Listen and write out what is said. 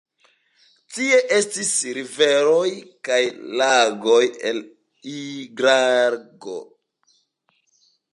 Tie estis riveroj kaj lagoj el hidrargo.